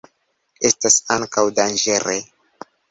Estas ankaŭ danĝere.